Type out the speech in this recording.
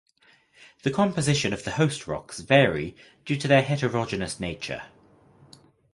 The composition of the host rocks vary due to their heterogeneous nature.